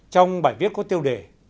trong bài viết có tiêu đề